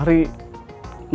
ternyata keluarga arfari